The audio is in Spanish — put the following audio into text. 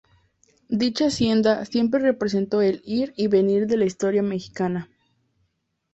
Dicha hacienda siempre represento el ir y venir de la historia mexicana.